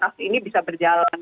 kasus ini bisa berjalan